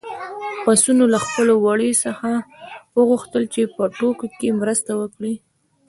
پسونو له خپل وري څخه وغوښتل چې په ټوکو کې مرسته وکړي.